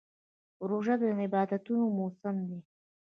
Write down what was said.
روژه د عبادتونو موسم دی.